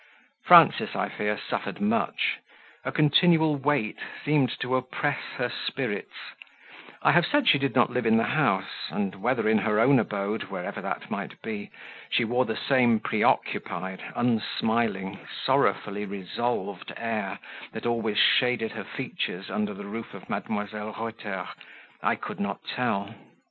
Frances, I fear, suffered much; a continual weight seemed to oppress her spirits; I have said she did not live in the house, and whether in her own abode, wherever that might be, she wore the same preoccupied, unsmiling, sorrowfully resolved air that always shaded her features under the roof of Mdlle. Reuter, I could not tell.